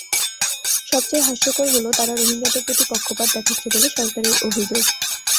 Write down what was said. সবচেয়ে হাস্যকর হলো, তারা রোহিঙ্গাদের প্রতি পক্ষপাত দেখাচ্ছে বলে সরকারের অভিযোগ।